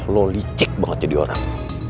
lo lice banget jadi orang